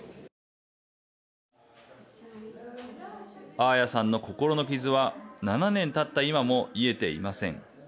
アーヤさんの心の傷は７年たった今も癒えていません。